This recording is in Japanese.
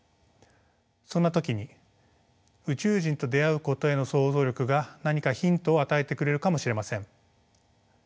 そんな時に宇宙人と出会うことへの想像力が何かヒントを与えてくれるかもしれません。